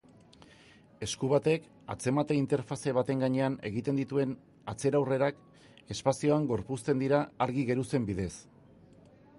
Esku batek atzemate-interfaze baten gainean egiten dituen atzera-aurrerak espazioan gorpuzten dira argi-geruzen bidez.